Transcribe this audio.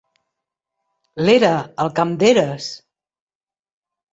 L'era, el camp d'eres?